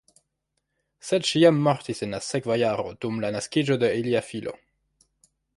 Sed ŝi jam mortis en la sekva jaro dum la naskiĝo de ilia filo.